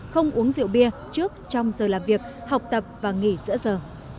không uống diệu biệt trước trong giờ làm việc học tập và nghỉ giữa giờ